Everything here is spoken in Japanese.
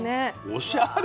おしゃれ！